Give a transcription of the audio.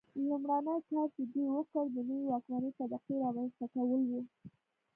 لومړنی کار چې دوی وکړ د نوې واکمنې طبقې رامنځته کول و.